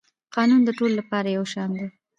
قانون د ټولو لپاره یو شان دی